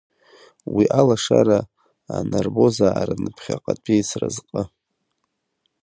Уи алашара анарбозаарын ԥхьаҟатәи сразҟы!